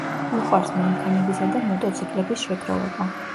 უყვარს მანქანებისა და მოტოციკლების შეგროვება.